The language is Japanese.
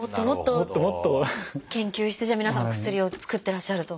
もっともっと研究してじゃあ皆さんもお薬を作ってらっしゃると。